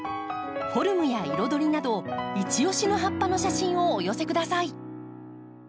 フォルムや彩りなどいち押しの葉っぱの写真をお寄せください。